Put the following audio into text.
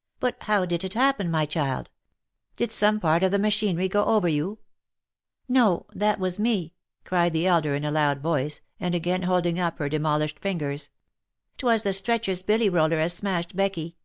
" But how did it happen, my child ? Did some part of the ma chinery go over you ?"" No !— That was me," cried the elder, with a loud voice, and again holding up her demolished fingers. " 'Twas the stretcher's billy roller as smashed Becky."